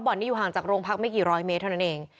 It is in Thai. นี้อยู่ห่างจากโรงพักไม่กี่ร้อยเมตรเท่านั้นเอง